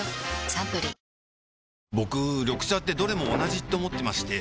サントリー僕緑茶ってどれも同じって思ってまして